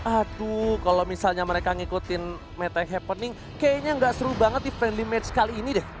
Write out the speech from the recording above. aduh kalau misalnya mereka ngikutin meta yang happening kayaknya nggak seru banget di friendly match kali ini deh